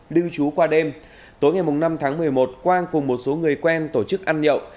lưu trú qua đêm tối ngày năm tháng một mươi một quang cùng một số người quen tổ chức ăn nhậu